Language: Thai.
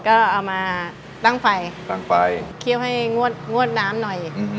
ก็เอามาตั้งไฟตั้งไฟเคี่ยวให้งวดงวดน้ำหน่อย